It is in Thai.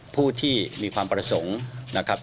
ผู้ที่มีความประสงค์นะครับ